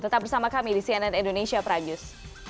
tetap bersama kami di cnn indonesia pramius